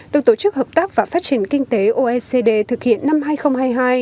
được tổ chức hợp tác và phát triển kinh tế oecd thực hiện năm hai nghìn hai mươi hai